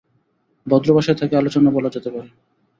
ভদ্রভাষায় তাকে আলোচনা বলা যেতে পারে।